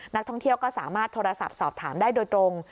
นักท่องเที่ยวก็สามารถโทรศัพท์สอบถามได้โดยตรง